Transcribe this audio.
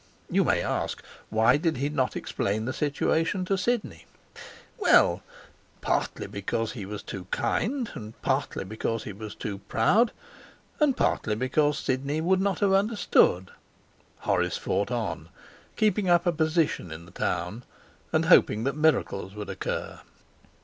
You may ask, Why did he not explain the situation to Sidney? Well, partly because he was too kind, and partly because he was too proud, and partly because Sidney would not have understood. Horace fought on, keeping up a position in the town and hoping that miracles would occur.